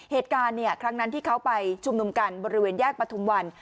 เหตุการณ์ครั้งนั้นที่เขาไปชุมนุมกันบริเวณแยกประทุมวัน